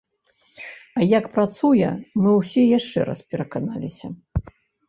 А як працуе, мы ўсе яшчэ раз пераканаліся.